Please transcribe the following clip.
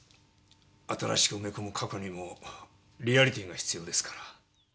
新しく埋め込む過去にもリアリティーが必要ですから。